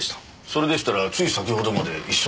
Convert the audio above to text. それでしたらつい先ほどまで一緒でしたが。